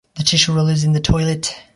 The tissue roll is in the toilet.